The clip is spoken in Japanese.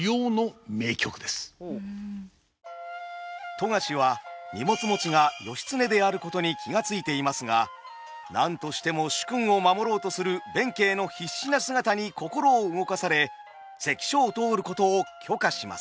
富樫は荷物持ちが義経であることに気が付いていますが何としても主君を守ろうとする弁慶の必死な姿に心を動かされ関所を通ることを許可します。